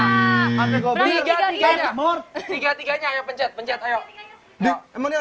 tiga tiganya yang pencet pencet ayo